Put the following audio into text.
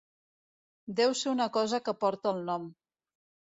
Deu ser una cosa que porta el nom.